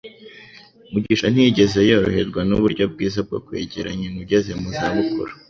Mugisha ntiyigeze yoroherwa nuburyo bwiza bwo kwegera nyina ugeze mu za bukuru